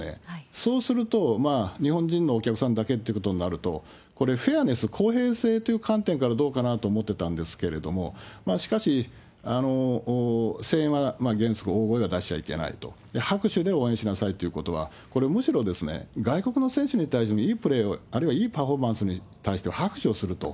そうすると、日本人のお客さんだけってことになると、これ、フェアネス、公平性という観点からどうかなと思ってたんですけれども、しかし、声援は原則大声を出しちゃいけないと、拍手で応援しなさいっていうことは、これ、むしろ外国の選手に対していいプレーを、あるいはいいパフォーマンスに拍手をすると。